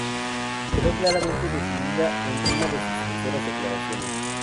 quedó claramente definida en una de sus sinceras declaraciones: